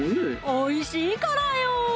おいしいからよ